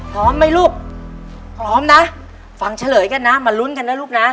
พร้อมไหมลูก